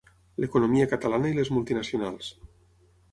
L'economia catalana i les multinacionals.